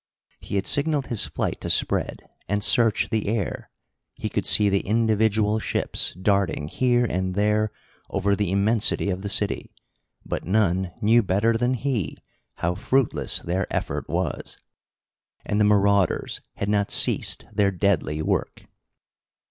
He had signaled his flight to spread, and search the air. He could see the individual ships darting here and there over the immensity of the city, but none knew better than he how fruitless their effort was. And the marauders had not ceased their deadly work.